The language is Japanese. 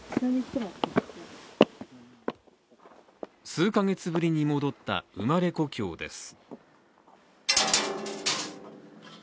数か月ぶりに戻った生まれ故郷です。